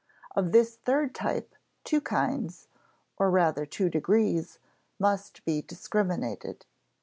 Of this third type, two kinds or, rather, two degrees must be discriminated.